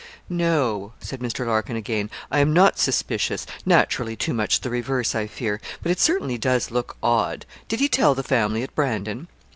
'No,' said Mr. Larkin again, 'I'm not suspicious naturally too much the reverse, I fear; but it certainly does look odd. Did he tell the family at Brandon?'